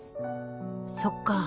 そっか。